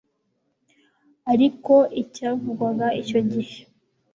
ariko icyavugwaga icyo gihe